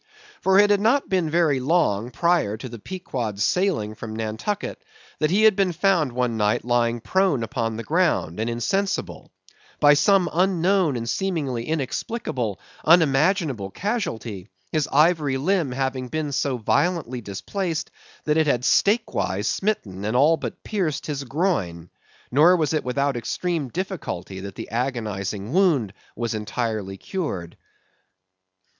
For it had not been very long prior to the Pequod's sailing from Nantucket, that he had been found one night lying prone upon the ground, and insensible; by some unknown, and seemingly inexplicable, unimaginable casualty, his ivory limb having been so violently displaced, that it had stake wise smitten, and all but pierced his groin; nor was it without extreme difficulty that the agonizing wound was entirely cured.